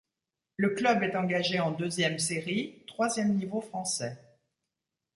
Le club est engagé en deuxième série, troisième niveau français.